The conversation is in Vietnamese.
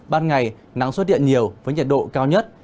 ban ngày nắng xuất hiện nhiều với nhiệt độ cao nhất